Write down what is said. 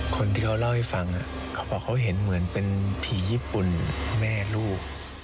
คนที่เขาเล่าให้ฟังเขาบอกเขาเห็นเหมือนเป็นผีญี่ปุ่นแม่ลูก